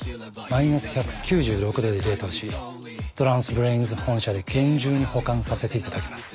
マイナス１９６℃で冷凍しトランスブレインズ本社で厳重に保管させていただきます。